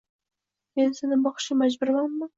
Men seni boqishga majburmanmi.